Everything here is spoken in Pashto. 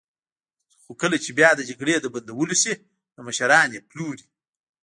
خو کله چې بیا د جګړې د بندولو شي، نو مشران یې پلوري.